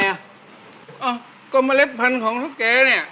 อ้าวก็เมล็ดพันธุ์ของทุกแกนี่